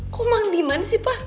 kok mandi mana sih pak